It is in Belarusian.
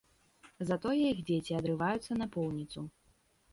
Затое іх дзеці адрываюцца напоўніцу.